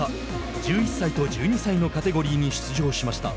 １１歳と１２歳のカテゴリーに出場しました。